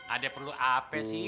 ada perlu apa sih